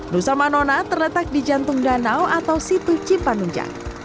nusamanona terletak di jantung danau atau situ cipanunjang